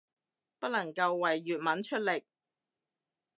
不能夠為粵文出力